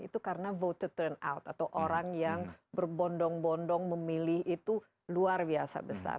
itu karena voter turnout atau orang yang berbondong bondong memilih itu luar biasa besar